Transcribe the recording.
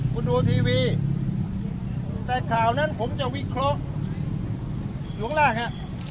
คุณดูทีวีแต่ข่าวนั้นผมจะวิเคราะห์หลวงล่างฮะ